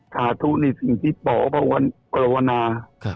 สาธุนี่สิ่งที่ป๋อประวันกรวณา